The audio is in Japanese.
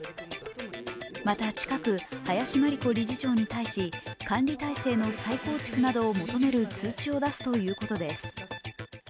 また近く、林真理子理事長に対し管理体制の再構築を求める通知を出すということです。